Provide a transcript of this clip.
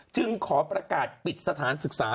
จึงขอประกาศปิดสถานศึกษา